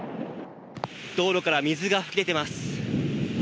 道路から水が噴き出ています。